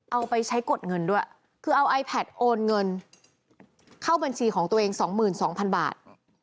เอาไปใช้กดเงินด้วยคือเอาไอแพทย์โอนเงินเข้าบัญชีของตัวเองสองหมื่นสองพันบาท